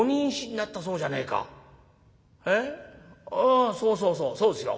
ああそうそうそうそうですよ。